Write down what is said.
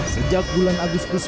sejak bulan agustus